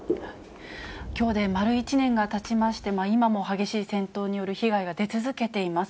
きょうで丸１年がたちまして、今も激しい戦闘による被害が出続けています。